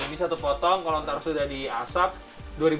ini satu potong kalau nanti sudah di asap